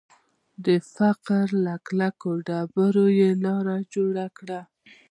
د فقر له کلکو ډبرو یې لاره جوړه کړه